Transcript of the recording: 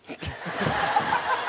ハハハハ！